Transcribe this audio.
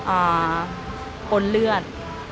อ่าปนเลือด